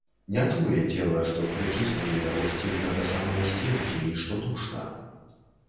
Не чуе цела, што прыціснулі яго шчыльна да самае сценкі і што душна.